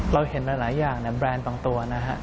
เราเห็นหลายอย่างในแบรนด์บางตัวนะฮะ